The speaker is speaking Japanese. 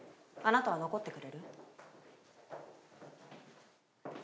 あなたは残ってくれる？